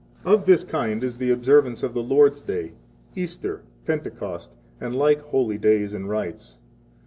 57 Of this kind is the observance of the Lord's Day, Easter, Pentecost, and like holy days and 58 rites.